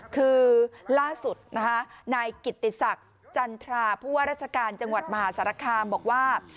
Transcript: คือล่าสุดนะคะนายกิตติศักดิ์จันทราผู้ว่าราชการจังหวัดมหาสารคามบอกว่า